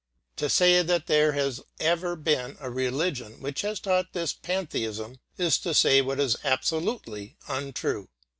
To say that there has ever been a religion which has taught this pantheism is to say what is absolutely [pg 146]untrue.